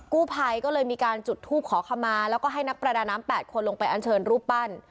กู้ภัยก็เลยมีการจุดทูปขอขมาแล้วก็ให้นักประดาน้ำ๘คนลงไปอันเชิญรูปปั้น